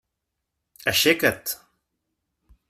Aixeca't!